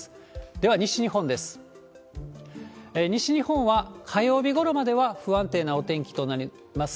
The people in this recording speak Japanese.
では、西日本です。